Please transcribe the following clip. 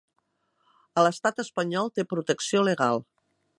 A l'estat espanyol té protecció legal.